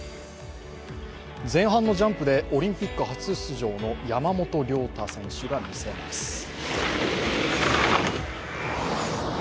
前半のジャンプでオリンピック初出場の山本涼太選手が見せます。